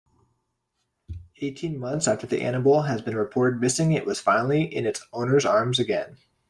Eighteen months after the animal has been reported missing it was finally in its owner's arms again.